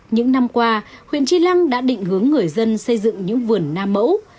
những năm qua huyện tri lăng đã định hướng người dân xây dựng những vườn na mẫu